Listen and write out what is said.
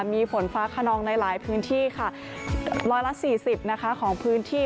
มีฝนฟ้าขนองในหลายพื้นที่ค่ะร้อยละสี่สิบนะคะของพื้นที่